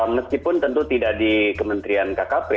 meskipun tentu tidak di kementerian kkp